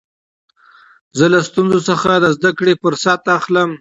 زه له ستونزو څخه د زدکړي فرصت اخلم.